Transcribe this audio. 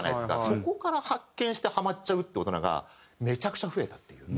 そこから発見してハマっちゃうっていう大人がめちゃくちゃ増えたっていう。